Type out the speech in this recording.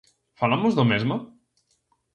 Falamos do mesmo?